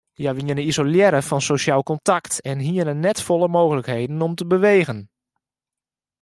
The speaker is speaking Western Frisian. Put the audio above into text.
Hja wiene isolearre fan sosjaal kontakt en hiene net folle mooglikheden om te bewegen.